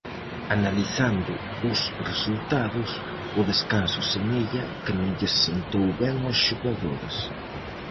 Analizando os resultados, o descanso semella que non lles sentou ben aos xogadores.